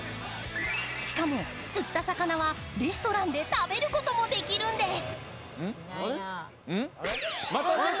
しかも釣った魚はレストランで食べることもできるんです。